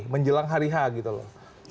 menjelang hari h gitu loh